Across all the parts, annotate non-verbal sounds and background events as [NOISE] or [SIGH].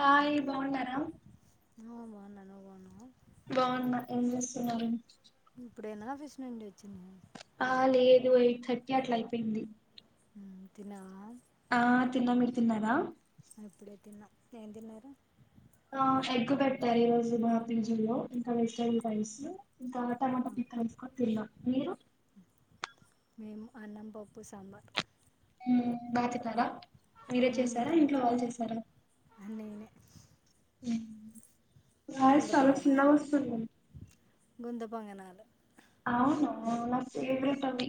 Hi బాగున్నారా. హ, బాగున్నా, నువ్వు బాగున్నావా. బాగున్నా, ఏం చేస్తున్నారు. ఇప్పుడే నా, ఆఫీస్ నుండి, వచ్చింది. ఆ లేదు, ఎయిట్ థర్టీ అట్లా అయిపోయింది. తిన్నావా. ఆ తిన్న, మీరు తిన్నర. ఇప్పుడే తిన్నా, ఏం తిన్నారు. ఆ ఎగ్గు పెట్టారు ఈ రోజు, మా పీజులో. వెజిటబల్ రైస్, ఇంకా టమాటో పిక్ రైస్ కొతిన్నా, మీరు. మేము అన్నం పప్పు సాంబార్. బాతిన్నారా. మీరే చేసారా, తిన్న ఇంట్లో వాళ్ళు చేసారా. నేనే ఉమ్. వాయిస్ గుంత చాలా చిన్నగాస్తుంది. గుంతపొంగనాలు. అవును, నా ఫేవరెట్ అవి.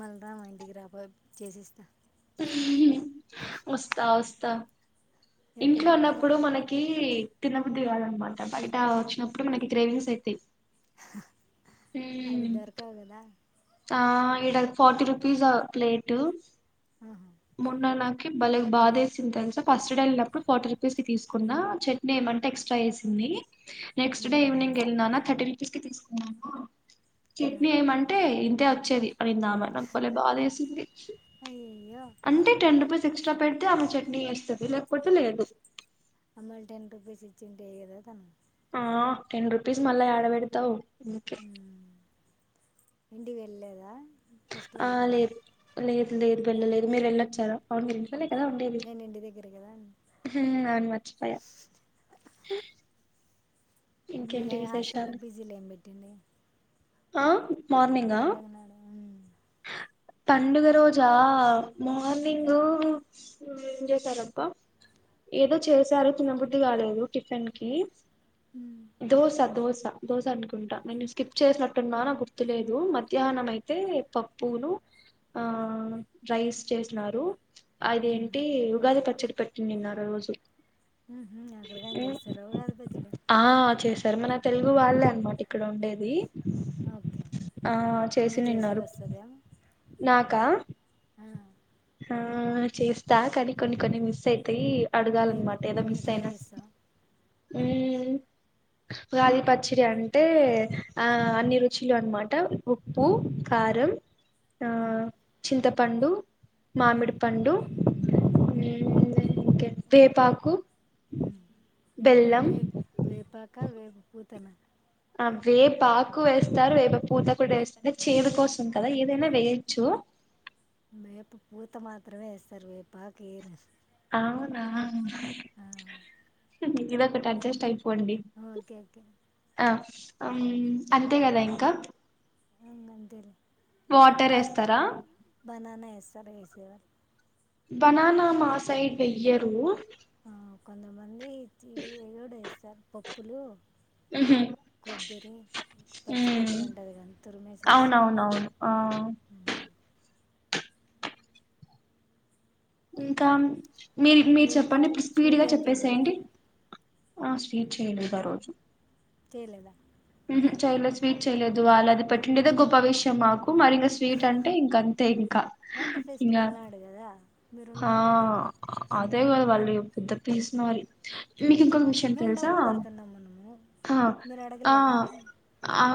మళ్ళ రా, మా ఇంటికి, రాబ చేసిస్తా. అ. ఇంట్లో ఎప్పుడు ఉన్నప్పుడు, మనకీ. తిన్నబుద్ది కాాలన్నమాట, బయట వచ్చినప్పుడు, మనకి గ్రేవింగ్స్, అయితాయ్. అవి దొరకవు కదా. ఆ ఇడా, ఫాటి రుపీస్ అ ప్లేటు. ఆహా మొన్న. నెక్స్ట్ డే, ఈవ్నింగ్ ఎల్లినాన, థర్టీ. రెస్ట్ తీసుకొ మామ. చట్నీ ఏమంటే ఇ. అదతే అచ్చేది. పోయిందా మేడం పోలియో బాదేసింది. అయ్యయ్యో అంటే, టెన్ రూపీస్ ఎక్స్ట్ పెడితే, ఆమె చట్నీ ఎస్తది, లేకపోతే లేదు. అమ్మలు టెన్ రూపీస్ ఇచ్చింటే ఎయ్యద తను. ఆ, టెన్ రుపీస్ మళ్ళా, ఎడబెడతవు. ఇంకే. ఇంటికి వెళ్ళేలేదా. ఆ లేదు లేదు లేదు వెళ్ళలేదు మీరు వెళ్ళొచ్చారా అవునుం కదా ఉండేది నేను ఇంటి దగ్గర కదా నను మచ్చిపోయా మీ హాస్టల్లో పీజీలో ఏం పెట్టిడి ఆ మార్నింగా పండుగనాడు పండుగ రోజా ఆ మార్నింగ్ ఏం చేసారబ్బా ఏదో చేశారో తిన్నబుద్ధి కాలేదు టిఫిన్ కి ఉ దోస దోస దోస అనుకుంటా నేను స్కిప్ చేసినట్ అన్నా నా గుర్తులేదు మధ్యాహ్నం అయితే పప్పును ఆ రైస్ చేసినారు మ్మ్. అదేంటి ఉగాది పచ్చడి పెట్ట నిన్నర రోజు అక్కడకని చేస్తారా ఉగాది పచ్చడి ఆ చేశారు మన తెలుగు వాళ్ళే అనమాట ఇక్కడ ఉండేది ఓకే అం ఆ నీకు చేసేక చేసినిన్నారు వస్తుందేం నాకా ఆ చేస్త స్ట కాని కొన్ని కొన్ని మిస్ అయితాయి ఏమి అడగాలన్నమాట ఏదో మిస్ ఎట్లా అయినా చేస్తావు హ ఉగాది పచ్చడి అంటే ఆ అన్ని రుచులు అనమాట ఉప్పు కారం ఆ మ్మ్. చింత పండు మామిడి మ్మ్. పండు ఓకే వేపాకు బెల్లం వేపాకా వేపు పూతన వేపా ఆకు వేస్తారు వేపు పూత కూడా వేస్తారు చేదు కోసం కదా ఏదైనా వేయించు వేపు పూత మాత్రమే ఎస్తారు వేపాఆకు వెయ్యరు అవునా ఆ ది ఒకటి అడ్జస్ట్ పోండి ఓకే ఓకే ఆ అం అంతే కదా ఇంకా అంతేలే వాటర్ అ ఏస్తారా బననా ఏస్తారు ఏసీ వాళ్ళు బనానా మా సైడ్ వెయ్యరు ఎంత మంది ఇది ఏన్నొ డేస్ పప్ పప్పులు ఉహు కొబ్బరి పచ్చి ఉమ్ కొబ్బరి ఉంటాది గా తురిమేసి ఎస్తారు అవునవునవును ఆ ఇంకాను మీరు మీరు ఏం చెప్పండి ఇప్పుడు స్వీట్ స్పీడ్గా ఏం చేయలేదా చెప్పేసెయండి ఆ స్వీట్ చేయలేదు ఆ రోజు చేయలేదా ఉహు చెయలేదు ఆ, స్వీట్ చేయలేదు వాళ్ళది పెట్టి [UNINTELLIGIBLE] ది గొప్ప బావిష్యమాకు మరి ఇంకా స్వీట్ అంటే ఇంక అంతే ఇంకా ఇంకా మీరున్నారు అడ అదే కదా వాళ్ళు పెద్ద పిసినారి మీకు ఇంకొక విషయం మేము తెలుసా డబ్బులు కడుతున్నాం మనము మీరు అడగలేరా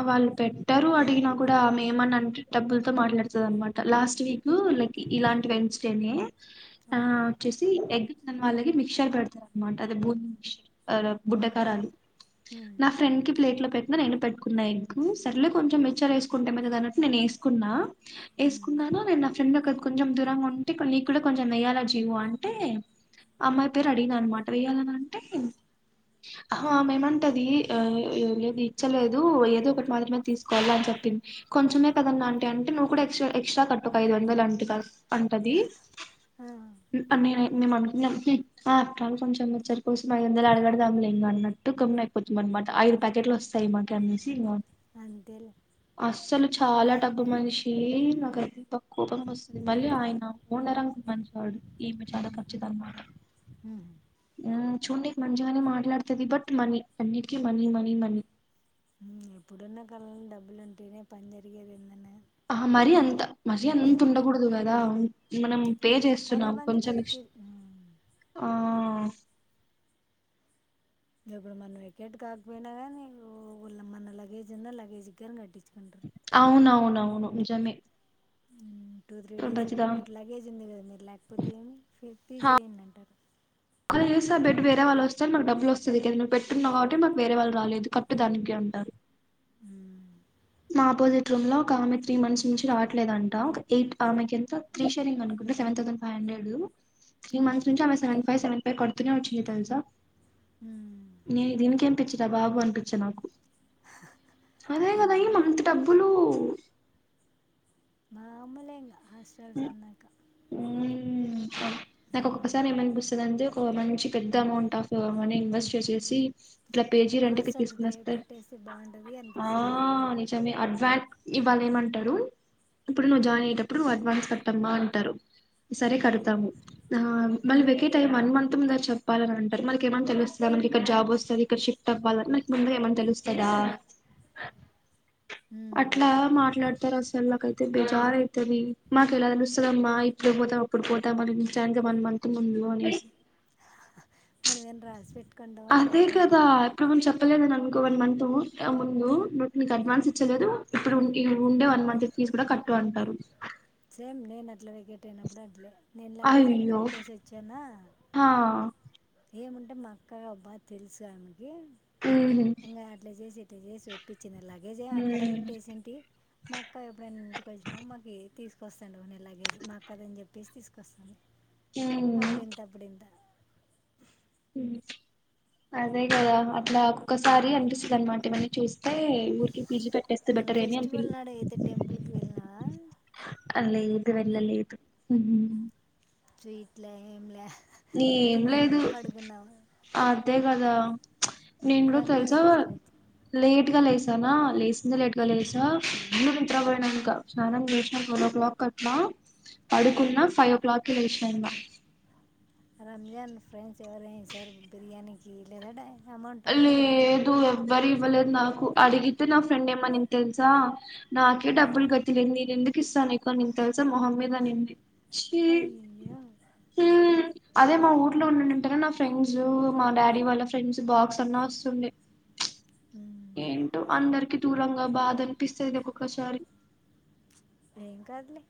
వాళ్ళు పెట్టారు అడిగిన కూడా ఆమె ఏమని అంటే డబ్బులతో మాట్లాడుతాది అనమాట లాస్ట్ వీక్ లైక్ ఇలాంటి వెన్స్ డేనే ఆ ఓకే వచ్చేసి ఎగ్ నిన్ వాళ్ళాకి మిక్చర్ పెడతాను అన్నమాట అదే భూమి మిక్చర్ ఉమ్, బుడ్డకారాలు ఉమ్, నా ఫ్రెండ్ కి ప్లేట్ లో పెట్ట నేను పెట్టుకున్నా ఇంకు సర్లే కొంచెం మెచ్చర్ వేసుకుంటామ దాన్నట్టు నేను వేసుకున్నా ఉమ్. ఎసుకున్నాన నేను నా ఫ్రెండ్ ఒక కొంచెం దూరంగా ఉంటే ఇక నికు కొంచెం వేయాల జీవ అంటే ఆ అమ్మాయి పేరు అడిగ అనమాట వేయ్యాలన అంటే ఆహొ ఆమెనంటది ఆ లేదు ఇచ్చలేదు ఏదో ఒకటి మాత్రమే తీసుకోవాల్ల అని చెప్పింది కొంచెమే కద అంటి అంటే నువ్వు కూడా ఎక్స్ స్ట్ర కట్టు ఐదు వందలు అంటు అంటది ఆ, అన్ని రాయ్ మేము అనుకున్నాం ఉ ఆ హాప్ ట్రాల్ కొంచెం మిచ్చార్ కోసం అయిదు వందలు యాడపెడదాం లే ఇంక అన్నట్టు కొనలేకపొతిమి అన్నమాట ఐదు ప్యాకెట్లు వస్తాయి మాకు అనేసి ఇక అంతేలే అసలు చాలా డబ్బు మనిషీ నాకైతే కోపం వస్తుంది మళ్ళీ ఆయన ఓనర్ అంకుల్ మంచొడు ఈమె చాలా కచ్చిది అనమాట హ్మ్ చూడ్డానికి మంచిగానె మాట్లాడుతాది బట్ మనీ అన్నిటికి మనీ మనీ మనీ ఉ ఇప్పుడున్న కాలంలో డబ్బులు ఉంటేనే పని జరిగేది ఏందన్నా ఆ మరీ అంత మరీ అంత్ ఉండకూడదు కదా మనం పే చేస్తున్నాం కొంతమంది కొంచెం ఇష్ట పిచ్చి ఉమ్. ఆ ఆ ఇగ ఇప్పుడు మనం వెకెట్ కాకపోయినా కానీ ఒగలా మన లగేజ్ ఉన్న లగేజి కని కట్టించ అవునవును అవును నిజమే ఉ టూ త్రీ డేస్ ఉన్నా ప్రతిదా మీది లగేజ్ ఉంది కదా మీరు ల్యాకపో తేమి ఫెర్తి చేయండి అంటారు కాలి చేస్తే బెడ్ వేరే వాళ్ళోస్తే మాకు డబ్బులొస్తది నువ్ పెట్టున్నావు కావట్టి మాకు వేరే వాళ్ళు రాలేదు కట్టు దానికి అంటారు. ఊ మా ఆపోజిట్ రూమ్ లో ఒక ఆమె త్రీ మంత్స్ నుంచి రావట్లేదంట. ఒక ఎయిట్ ఆమె ఎంత త్రీ షేరింగ్ అనుకుంట seven thousand five hundred. Three months okay నుంచి అమె సేవన్ పేర్ కడుతూనే ఒచ్చింది తెల్సా నె దీనికేం పిచ్చి జవాబు అనిపిచ్చ నాకు అదే కదా ఏం మామూలే అంత డబ్బులు మామూలె ఇంగ ఊ నాకు ఒక్కొక్కసారి ఏమనిపిస్తది అంటె ఓ మంచి పెద్ద అమౌంట్ ఆఫ్ మని ఇన్వెస్ట్ చేసేసి ఇట్లా పీజీ రెంట్ కి హాస్టల్స్ తీసుకొనేస్తే పెట్టేస్తే బాగుంటుంది అనిపిస్తుంది అడ్వాన్ ఇవ్వాల ఏమంటారు ఇప్పుడు నువ్వు జాయిన్ అయ్యేటప్పుడు నువ్ అడ్వాన్ కట్టమ్మా అంటారు. సరే కడుతాము ఆ మళ్ళీ వెకేట్ ట్ అయ్యే వన్ మంత్ ముందే చెప్పాలని అంటారు మనకేమన్నా తెలుస్తదా మనకి ఇక్కడ జాబ్ వస్తది షిఫ్ట్ అవ్వాలని మనక్ ముందే ఏమన్ తెలుస్తదా? అట్లా మాట్లాడతారు అసలు నాకై తే బెజారయితది. మాకెలా తెలుస్తదమ్మా ఇప్పుడే పోతాం అప్పుడు పోతాం అని నిచానికి వన్ మంత్ ముందు అనేసి మనమేం రాసిపెట్ అదే కదా ఇప్పుడు నువ్వు చెప్పలేదనన్ ఇంగో వన్ మంతు ముందు నోట్ మీకు అడ్వాన్స్ ఇచ్చలేదు ఇప్పుడు ఉండే వన్ మంత్ ఫీజ్ కూడ కట్టు అంటారు సేమ్ నేను అట్లా వెకేట్ అయినప్పుడు అట్లే నేను లగేజ్ అక్కడే అయ్యో పెట్టేసి వచ్చానా ఆ ఏమంటే మా అక్కా బ్బా తెలుసు ఆమె ఏం ఉహు ఇంగ అట్ల చేసి అట్ట చేసి ఒప్పి చిన లగేజే అక్కడ పెట్టేసింటి మా అక్క ఎప్పుడైన ఇంటికి వచ్చినా మాకి తీస్ కోస్తాండ బానే లాగేజ్ మా అక్కదని చెప్ టేస్ట్ తీసుకొస్తాను ఉమ్ అప్పుడంతా అప్పుడంతా అదే కదా అట్లా ఒక్కొక్కసారి అనిపిస్తుంది మ్మ్. అన్నమాట ఇవన్నీ చూస్త టే ఏ మూర్గి మన ఫెస్టివల్ నాడు అయితే టెంపుల్కి వెళ్ళినా ఇది వేల్ల లేదు స్వీట్ల ఏం లే నీ ఏం లేదు ఆ అదే కదా నేను కూడా రంజాన్ తెలుసా స్పెషల్ వచ్చి లేట్గా లే గి సా లేచసింది లేట్ గా లేదుసా ఇ వింట్రా పోయినానుక స్నం లేసిన ట్వల్్ ఓ క్లాక్ కట్టలా ఆ, పడుకున్నా ఫైవ్ఓ క్లాక్కి లేషి ధన్ బా రంజన్ ఫ్రెండ్స్ ఎవర్రి నసరే బిర్యాని ఇలగడ అల్లీ దూ ఎవ్వరి ఇవ్వలేదు నాకు అడిగితే నా ఫ్రెండ్ ఏమ నిను తెలుసా నాకే డబ్బుల్ కతిలేంది ఇన ఎందుకు కిస్తాన్ నికు అని తెల్సా మహమ్మద అనింది ఛి అయ్యో హ హ అదే మాఊర్లో ఉంట నా ఫ్రెండ్స్ మా డాడీ వాళ్ళ ఫ్రెండ్స్ బాక్స్ అన్నా వస్తుంది మ్మ్. ఏంటో అందరికి దూరంగా బాధ అనిపిస్తుది ఒక్కొక్కసారి ఏం కాదులే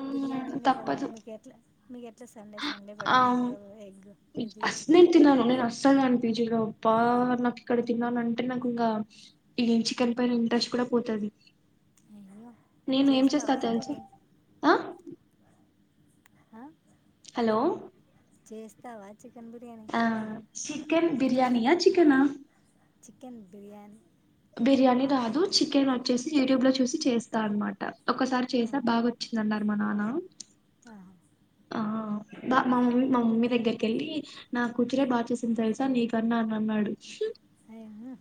ఉమ్, బిర్యానీనే కదా తప్పదు మీకు ఎట్లా మీకు ఎట్లా సండే సండే ఆ పెట్టంటారు కదా ఎగ్ ఇది అసలు చికెన్ ప్ప నాకు ఇక్కడ తిన్నానుంటే నాకు ఇంకా ఈ చికెన్ పైన ఇంట్రెస్ట్ కూడా పోతది అయ్యో నేను ఏం చేస్తావా చేస్తా తెలుస ఇంతకీ అ హలో చేస్తావా చికెన్ బిర్యానీ ఆ చికెన్ చేస్తావా బిర్యానియాయా చికెనా చికెన్ బిర్యానీ బిర్యానీ రాదు చికెన్ వచ్చేసి యూట్యూబ్ లో చూసి చేస్తా అన్నమాట ఒకసారి ఆ, చేసా బాగా వచ్చింద నా మ నానా ఆహా ఆ బా మా మమ్మీ మా మమ్మీ దగ్గరికి వెళ్ళి నా కూతురే బాగా చేసింది. తెలుసా నీ కన్నా అని అన్నాడు. అయ్, మ్మ్.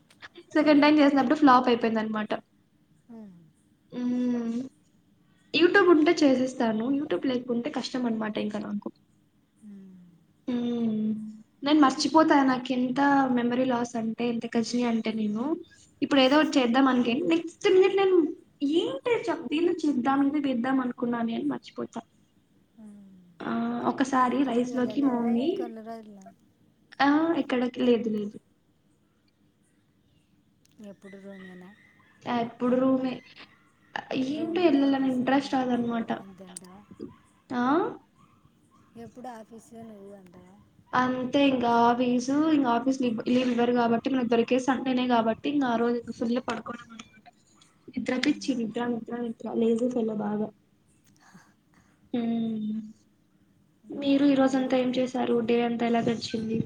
సెకండ్ టైం చేసినప్పుడు ఫ్లాప్ అయిపోయింది అనమాట హ్మ్ యూట్యూబ్ ఉంటే చేసేస్తాను. యూట్యూబ్ లేకుంటే కష్టం. మనమాటే ఇంకా నాకు మ్మ్. మ్మ్. నేను మర్చిపోతా నాకు ఎంత మెమరీ లాస్ అంటే ఎంత గజనీ అంటే నేను ఇప్పుడు ఏదో ఒకటి చేద్దాం అంటే నెక్స్ట్ మినిట్ లా నేను ఏంటి దీన్నీ చేద్దామ్ వేద్దాం అనుకున్నానే అని మర్చిపోతా ఆ ఒకసారి ఎక్కడికి రైస్ లోకి మా వెళ్ళలేదా మమ్మీ ఈ కొన్ని రోజులు ఆ ఇక్కడకి లేదు లేదు ఎప్పుడు రాంగే నా ఎప్పుడు రూమే ఏంటో రూము ఎల్ ఆఫీసు ఇంట్రెస్ట్ నేను రాదు నువ్వు అన్నమాట అంతంటావా ఆ ఎప్పుడు ఆఫీసు లో నువ్వు అంటావా అంతే ఇంకా ఆఫీసు ఇంకా ఆఫీస్ లో లీవ్ ఇవ్వరు. కాబట్టి మనాకు దొరికేది సండే నే కాబట్టి ఇంకా ఆ రోజు ఇంగా ఫుల్ పడుకునే ఉండడం అనమాట నిద్ర మ్మ్. పిచ్చి నిద్ర నిద్ర నిద్ర లేదు తెల్ల బాగా మ్మ్. మీరు ఈ రోజ అంతా వేడిగా ఏం చేశారు డే అంత ఎలా గడిచింది.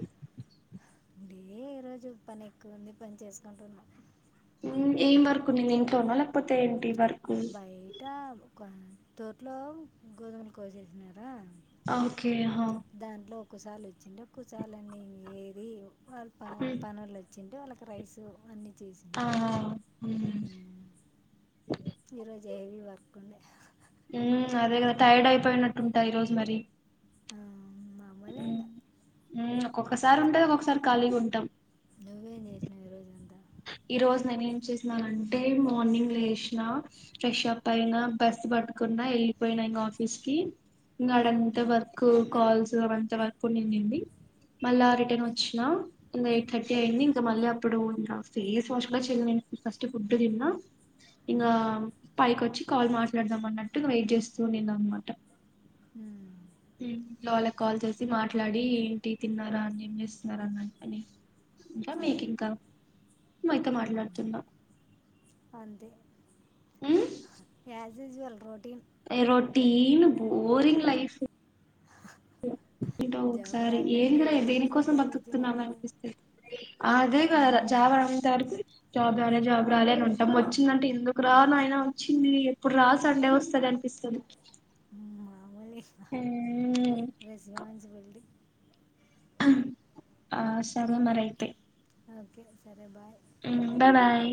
అంటే ఈ రోజు పని ఎక్కువ ఉంది పని చేసుకుంటున్నాం. ఏం వర్క్ ఉన్నది ఇంట్లోనా లేకపోతే వర్క్ బయటా ఒక తోట్లో గోధుమని కోసేసినారు ఓకే ఆ కుసాలు వచ్చిండ కుసాలన్నీ ఏది వాళ్ళు ప పనోళ్లు వచ్చిళ్లు అంటే వాళ్ళకి రైస్ అన్ని చేసింది. హ్మ్ దేవి వర్కు ఉండే హ్మ్ అదే కదా టైర్డ్ అయిపోయినట్టుంటా ఈ రోజు మరి ఆ మామూలే ఇంకా ఒక్కొక్కసారి ఉంటది. ఒక్కొక్కసారి ఖాళీగా ఉంటాం. నువ్వేం చేసినావు ఈ రోజంతా ఈ రోజు నేనే ఏం చేసినానంటే మార్నింగ్ లేచిన ఫ్రెషప్ అయిన బస్సు పట్టుకున్నా వెళ్ళిపోయినా ఇగా ఆఫీస్ కి ఇగా అడంత ఉమ్, వర్కు కాల్స్ అంత వర్క్ ఉండి నిండింది. మళ్ళీ ఆ రిటర్న్ వచ్చిన ఇగా ఎయిట్ థర్టీ అయింది. ఇంకా మళ్ళీ అప్పుడు ఉ ఫేస్ వాష్ కూడా చెయాలె ఫస్ట్ ఫుడ్ తిన్నా ఇంగ ఉమ్, పైకొ చ్చి కాల్ మాట్లాడదాం. అన్నట్టు వెయిట్ చేస్తూ ఉండింది. అన్ మాట ఉమ్, హ్ లోల కాల్ చేసి మాట్లాడి ఏంటి తిన్నారా అనీ ఏం చేస్తున్నారా అన్న అనీ ఇంకా అవును మేకింగ్ కా ఉ అయితే ఉమ్, మాట్లాడుతున్న అంతే హ్ as is your routine routine boring life ఏంటో జాబ్ ఒకసారి రాకముందే ఏందిరా బోరింగ్ దేనికోసం జాబ్ వచ్చినా బతుకుతున్నామా గురు అనిపిస్తది అదే కదార చావడం తట్టు జాబ్ రాలే జాబ్ రాలే అని ఉంటాం. వచ్చిందంటే ఎందుకు రా నాయినా వోచ్చింది. ఎప్పుడు రా సండే వస్తది అనిపిస్తది. ఉ ఆ మ్మ్ [UNINTELLIGIBLE] ఆ సరే మరైతే ఓకే సరే బాయ్ హ్ బాయ్ బాయ్